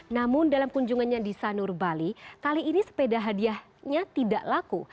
namun dalam kunjungannya di sanur bali kali ini sepeda hadiahnya tidak laku